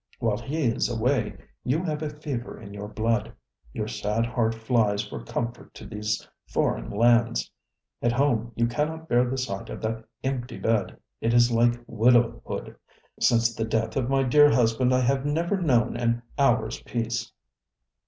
While he is away you have a fever in your blood. Your sad heart flies for comfort to these foreign lands. At home you cannot bear the sight of that empty bedŌĆöit is like widowhood. Since the death of my dear husband I have never known an hourŌĆÖs peace.